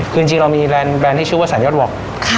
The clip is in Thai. คือจริงเรามีแลนด์ที่ชื่อว่าสันยอดวอร์ก